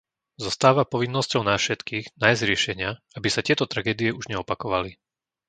Zostáva povinnosťou nás všetkých nájsť riešenia, aby sa tieto tragédie už neopakovali.